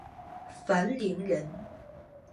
樊陵人。